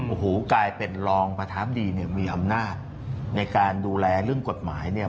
โอ้โหกลายเป็นรองประธานดีเนี่ยมีอำนาจในการดูแลเรื่องกฎหมายเนี่ย